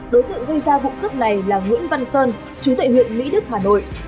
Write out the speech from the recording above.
đối tượng gây ra vụ cướp này là nguyễn văn sơn trú tuệ huyện mỹ đức hà nội